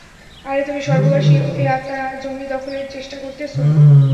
আরে তুমি স্বর্গবাসী এ আত্মার জমি দখলের চেষ্টা করতেছ।